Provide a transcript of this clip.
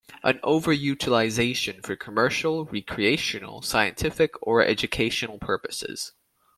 An over utilization for commercial, recreational, scientific, or educational purposes.